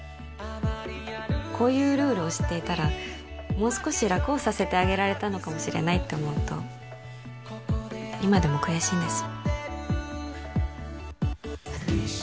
こういうルールを知っていたらもう少し楽をさせてあげられたのかもしれないって思うと今でも悔しいんです